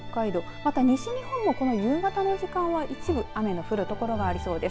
また西日本も夕方の時間は一部雨の降る所がありそうです。